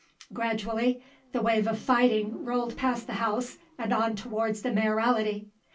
Gradually the wave of fighting rolled past the house and on towards the Mayoralty.